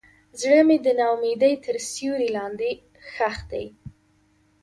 زړه مې د ناامیدۍ تر سیوري لاندې ښخ دی.